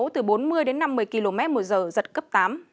từ bốn mươi đến năm mươi km một giờ giật cấp tám